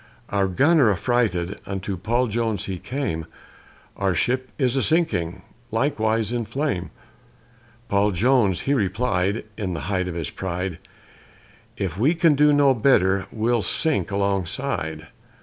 Our gunner, affrighted, unto Paul Jones he came, "Our ship is a sinking, likewise in a flame;" Paul Jones he replied, in the height of his pride, "If we can do no better, we'll sink alongside."